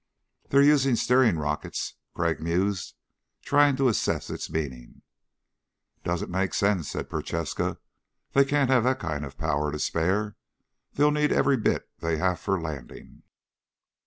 "They're using steering rockets," Crag mused, trying to assess its meaning. "Doesn't make sense," said Prochaska. "They can't have that kind of power to spare. They'll need every bit they have for landing."